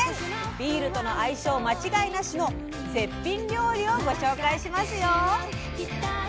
ビールとの相性間違いなしの絶品料理をご紹介しますよ。